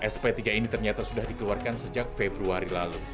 sp tiga ini ternyata sudah dikeluarkan sejak februari lalu